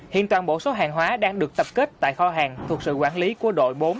hiện toàn bộ số hàng hóa đang được tập kết tại kho hàng thuộc sự quản lý của đội bốn